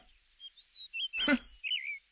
フッ。